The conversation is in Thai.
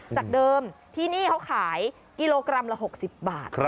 จากเดิมที่นี้ขายกิโลกรัมละหกสิบบาท